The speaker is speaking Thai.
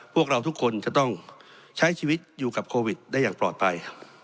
พวกเราทุกคนจะต้องใช้ชีวิตอยู่กับโควิดได้อย่างปลอดภัย